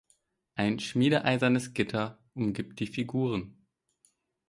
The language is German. Ein schmiedeeisernes Gitter umgibt die Figuren.